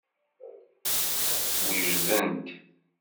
Wejdent.